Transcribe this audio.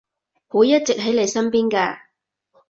會一直喺你身邊㗎